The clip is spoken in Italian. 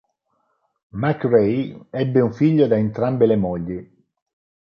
MacRae ebbe un figlio da entrambe le mogli.